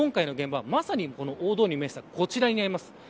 今回の現場は、まさに大通りに面したこちらです。